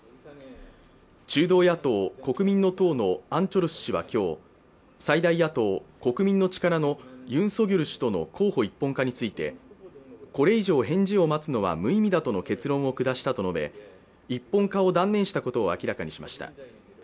中道野党国民の党のアン・チョルス氏は今日、最大野党国民の力のユン・ソギョル氏との候補の一本化について、これ以上返事を待つのは無意味だとの結論を下したと述べ一本化を断念したことを明らかにしました。